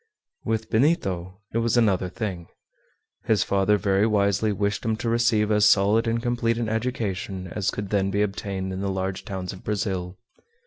With Benito it was another thing. His father very wisely wished him to receive as solid and complete an education as could then be obtained in the large towns of Brazil.